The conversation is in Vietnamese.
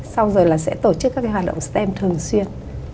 sau rồi là sẽ tổ chức các cái hoạt động stem thường xuyên